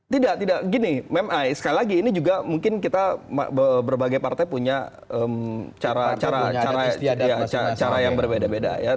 tidak tidak gini meme sekali lagi ini juga mungkin kita berbagai partai punya cara yang berbeda beda ya